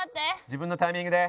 自分のタイミングで。